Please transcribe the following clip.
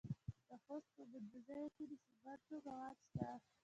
د خوست په مندوزیو کې د سمنټو مواد شته.